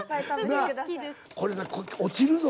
これ落ちるぞ。